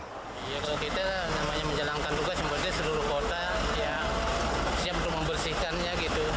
kalau kita menjalankan tugas seperti seluruh kota siap untuk membersihkannya